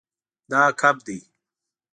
دا کب دی